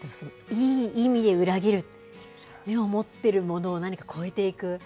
いい意味で裏切る、今持っているものを何か超えていく。